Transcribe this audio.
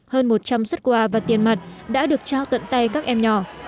hơn một trăm linh xuất quà và tiền mặt đã được trao tận tay các em nhỏ